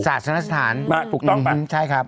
สาธารณสถานถูกต้องปะใช่ครับ